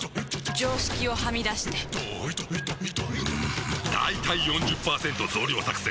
常識をはみ出してんだいたい ４０％ 増量作戦！